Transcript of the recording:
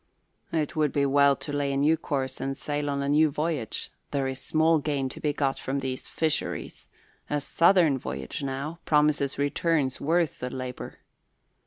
"It would be well to lay a new course and sail on a new voyage. There is small gain to be got from these fisheries. A southern voyage, now, promises returns worth the labour."